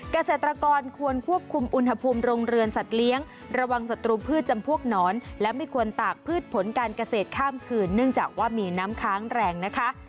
เกษตรกรควรควบคุมอุณหภูมิโรงเรือนสัตว์เลี้ยงระวังศัตรูพืชจำพวกหนอนและไม่ควรตากพืชผลการเกษตรข้ามคืนเนื่องจากว่ามีน้ำค้างแรงนะคะ